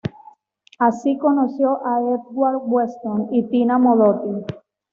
Así conoció a Edward Weston y Tina Modotti.